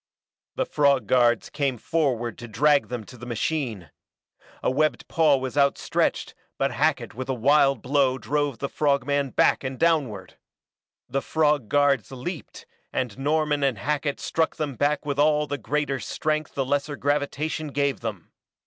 The frog guards came forward to drag them to the machine. A webbed paw was outstretched but Hackett with a wild blow drove the frog man back and downward. The frog guards leaped, and Norman and Hackett struck them back with all the greater strength the lesser gravitation gave them.